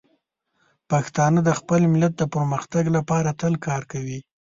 پښتانه د خپل ملت د پرمختګ لپاره تل کار کوي.